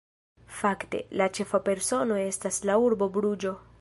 Fakte, la ĉefa persono estas la urbo Bruĝo.